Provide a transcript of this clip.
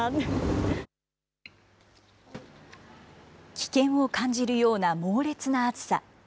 危険を感じるような猛烈な暑さ。